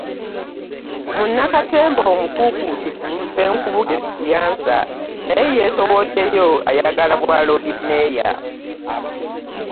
Munnakatemba omukuukuutivu Ssenkubuge Siasa naye yeesowoddeyo ayagala bwa loodi meeya